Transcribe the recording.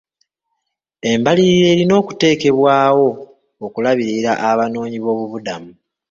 Embalirira erina okuteekebwawo okulabirira abanoonyiboobubudamu.